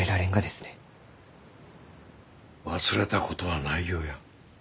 忘れたことはないよや。